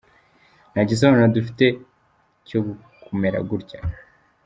Nta gisobanuro dufite cyo kumera gutya.”